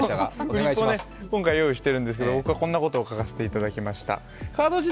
今回フリップを用意しているんですけど、僕はこんなことを書かせていただきました。